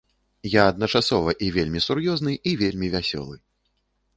Я адначасова і вельмі сур'ёзны і вельмі вясёлы.